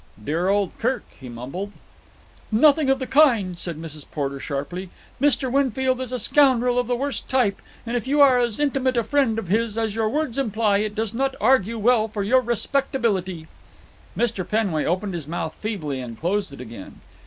"Dear old Kirk," he mumbled. "Nothing of the kind," said Mrs. Porter sharply. "Mr. Winfield is a scoundrel of the worst type, and if you are as intimate a friend of his as your words imply, it does not argue well for your respectability." Mr. Penway opened his mouth feebly and closed it again.